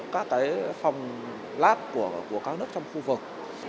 các phòng lab của các nước trong khu vực